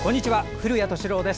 古谷敏郎です。